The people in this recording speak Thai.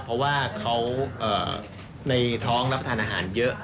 เพราะว่าเขาในท้องรับประทานอาหารเยอะ